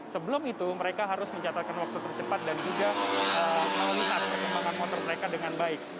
sebelum itu mereka harus mencatatkan waktu tercepat dan juga melihat perkembangan motor mereka dengan baik